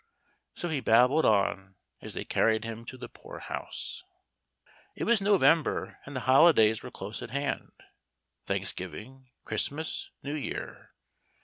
So he babbled on as they carried him to the Poor House. It was November, and the holidays were close at hand. Thanksgiving, Christmas, New Year.